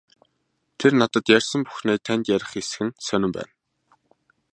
Тэр надад ярьсан бүхнээ танд ярих эсэх нь сонин байна.